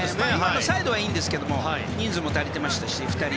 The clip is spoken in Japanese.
サイドはいいんですけど人数も足りていましたし。